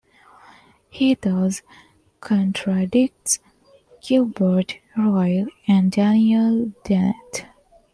He thus contradicts Gilbert Ryle and Daniel Dennett.